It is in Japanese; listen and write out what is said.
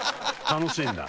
楽しいんだ。